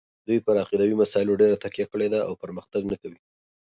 دوی پر عقیدوي مسایلو ډېره تکیه کړې ده او پرمختګ نه کوي.